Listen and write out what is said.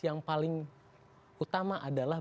yang paling utama adalah